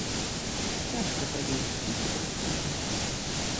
Цяжка табе ісці супраць ражна.